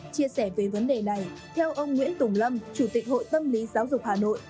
chia sẻ về vấn đề này theo ông nguyễn tùng lâm chủ tịch hội tâm lý giáo dục hà nội